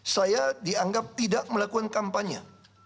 saya dianggap tidak melakukan kampanye